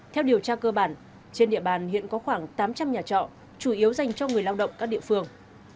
theo điều tra cơ bản trên địa bàn hiện có khoảng tám trăm linh nhà trọ chủ yếu dành cho người lao động các địa phương